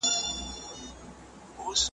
د ژلۍ په دود سرونه تویېدله `